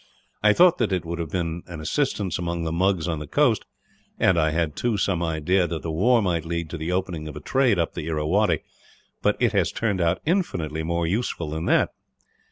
I thought that it would have been an assistance among the Mugs on the coast; and I had, too, some idea that the war might lead to the opening of a trade up the Irrawaddy; but it has turned out infinitely more useful than that.